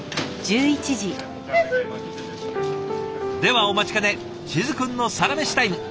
ではお待ちかね静くんのサラメシタイム。